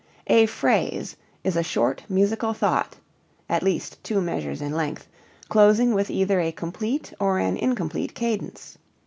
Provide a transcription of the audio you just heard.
A phrase is a short musical thought (at least two measures in length) closing with either a complete or an incomplete cadence.